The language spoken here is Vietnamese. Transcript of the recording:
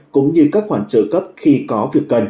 cũng như các khoản trợ cấp khi có việc cần